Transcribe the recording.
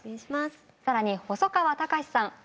更に細川たかしさん